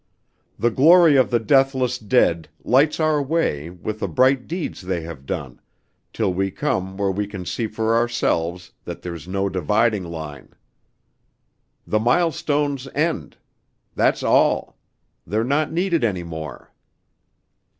The glory of the deathless dead lights our way, with the bright deeds they have done, till we come where we can see for ourselves that there's no dividing line. 'The milestones end.' That's all. They're not needed any more.